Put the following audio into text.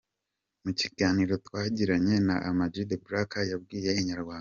Mu kiganiro twagiranye na Ama G The Black yabwiye Inyarwanda.